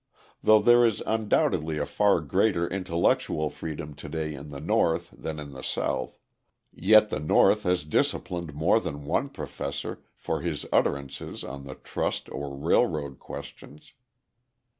Though there is undoubtedly a far greater intellectual freedom to day in the North than in the South, yet the North has disciplined more than one professor for his utterances on the trust or railroad questions.